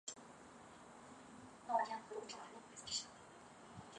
当时国民政府财政上面对的困局是中央丧失田赋收入及地方上存在着税收混乱。